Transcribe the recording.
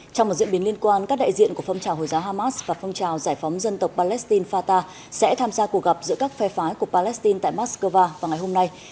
trong một diễn biến liên quan các đại diện của phong trào hồi giáo hamas và phong trào giải phóng dân tộc palestine fatah sẽ tham gia cuộc gặp giữa các phe phái của palestine tại moscow vào ngày hôm nay